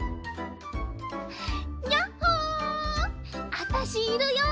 あたしいるよ。